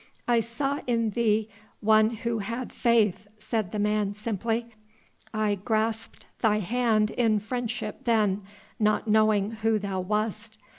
"I saw in thee one who had faith," said the man simply. "I grasped thy hand in friendship then, not knowing who thou wast.